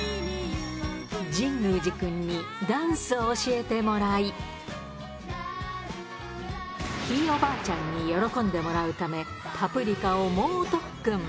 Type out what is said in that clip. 神宮寺君にダンスを教えてもらい、ひいおばあちゃんに喜んでもらうため、パプリカを猛特訓。